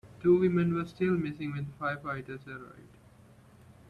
Two women were still missing when the firefighters arrived.